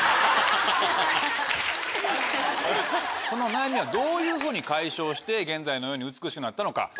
その悩みはどういうふうに解消して現在のように美しくなったのか。